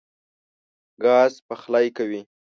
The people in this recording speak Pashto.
ګاز پخلی کوي.